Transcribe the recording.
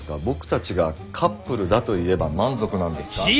僕たちがカップルだと言えば満足なんですか？